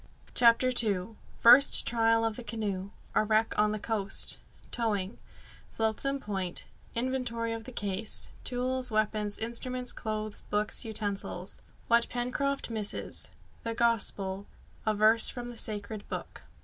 CHAPTER II First Trial of the Canoe A Wreck on the Coast Towing Flotsam Point Inventory of the Case: Tools, Weapons, Instruments, Clothes, Books, Utensils What Pencroft misses The Gospel A Verse from the Sacred Book.